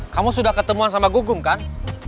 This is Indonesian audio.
kamu sudah ketemuan sama gugum kan